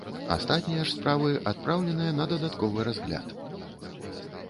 Астатнія ж справы адпраўленыя на дадатковы разгляд.